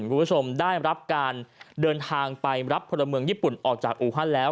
คุณผู้ชมได้รับการเดินทางไปรับพลเมืองญี่ปุ่นออกจากอูฮันแล้ว